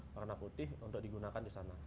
warna putih untuk digunakan di sana